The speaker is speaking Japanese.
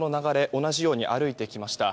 同じように歩いてきました。